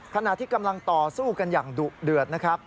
ขณะที่กำลังต่อสู้กันอย่างดุเดือดนะครับ